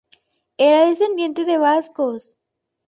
Era descendiente de vascos.